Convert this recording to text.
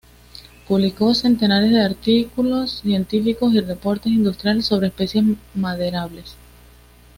Publicó centenares de artículos científicos y reportes industriales sobre especies maderables.